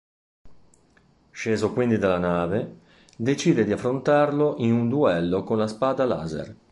Sceso quindi dalla nave, decide di affrontarlo in un duello con la spada laser.